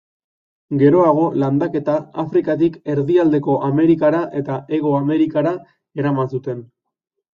Geroago, landaketa Afrikatik Erdialdeko Amerikara eta Hego Amerikara eraman zuten.